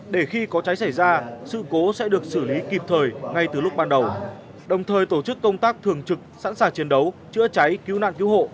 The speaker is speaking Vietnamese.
để khi có cháy xảy ra sự cố sẽ được xử lý kịp thời ngay từ lúc ban đầu đồng thời tổ chức công tác thường trực sẵn sàng chiến đấu chữa cháy cứu nạn cứu hộ